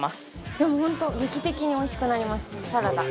でも本当劇的においしくなりますサラダ。